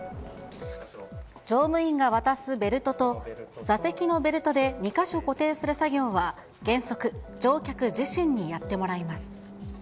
乗務員が渡すベルトと座席のベルトで２か所固定する作業は、原則、乗客自身にやってもらいます。